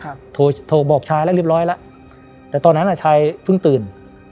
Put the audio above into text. โทรโทรบอกชายแล้วเรียบร้อยแล้วแต่ตอนนั้นอ่ะชายเพิ่งตื่น